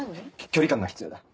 距離感が必要だ。